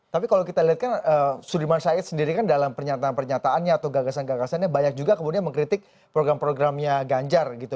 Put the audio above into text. tapi kalau kita lihat kan sudirman said sendiri kan dalam pernyataan pernyataannya atau gagasan gagasannya banyak juga kemudian mengkritik program programnya ganjar gitu